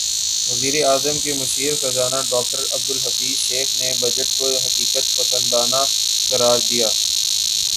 وزیراعظم کے مشیر خزانہ ڈاکٹر عبدالحفیظ شیخ نے بجٹ کو حقیقت پسندانہ قرار دیا